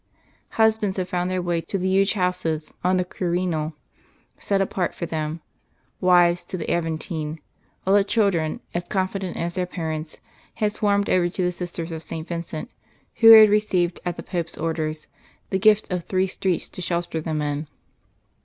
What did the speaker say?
Husbands had found their way to the huge houses on the Quirinal set apart for them; wives to the Aventine; while the children, as confident as their parents, had swarmed over to the Sisters of St. Vincent who had received at the Pope's orders the gift of three streets to shelter them in.